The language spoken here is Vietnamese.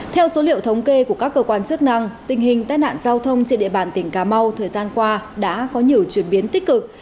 theo số liệu thống kê của các cơ quan chức năng tình hình tai nạn giao thông trên địa bàn tỉnh cà mau thời gian qua đã có nhiều chuyển biến tích cực